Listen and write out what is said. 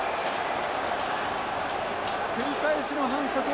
繰り返しの反則。